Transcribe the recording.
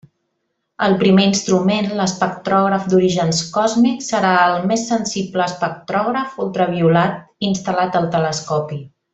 El primer instrument, l'espectrògraf d'Orígens Còsmic, serà el més sensible espectrògraf ultraviolat instal·lat al telescopi.